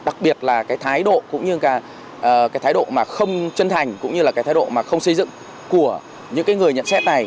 đặc biệt là cái thái độ cũng như là cái thái độ mà không chân thành cũng như là cái thái độ mà không xây dựng của những cái người nhận xét này